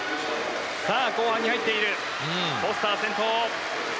後半に入ってフォスターが先頭。